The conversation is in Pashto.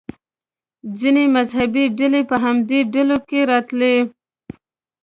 ځینې مذهبي ډلې په همدې ډلو کې راتلې.